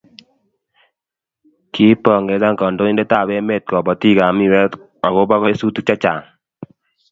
Kiipongezan kandoindetab emett kobotikab miwek agobo kesutik che Chang